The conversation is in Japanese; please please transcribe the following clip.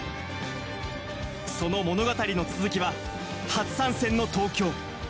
その物語の続きは初参戦の東京。